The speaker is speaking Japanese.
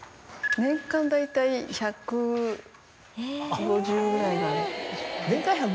年間大体１５０ぐらいは。